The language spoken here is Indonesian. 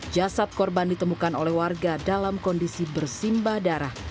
jasad korban ditemukan oleh warga dalam kondisi bersimbah darah